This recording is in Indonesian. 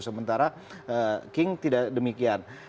sementara king tidak demikian